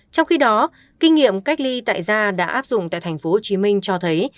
trong khi đó kinh nghiệm cách ly tại da đã áp dụng tại tp hcm cho thấy